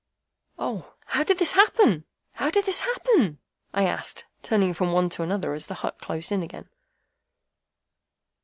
"O, how did this happen, how did this happen?" I asked, turning from one to another as the hut closed in again.